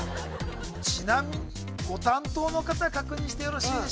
ちなみにご担当の方確認してよろしいでしょうか？